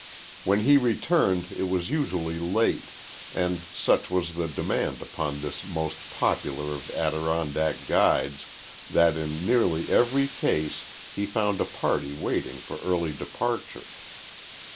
When he returned it was usually late, and such was the demand upon this most popular of Adirondack guides that in nearly every case he found a party waiting for early departure.